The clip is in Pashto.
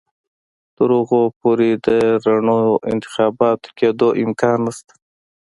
تر هغو پورې د رڼو انتخاباتو کېدو امکان نشته.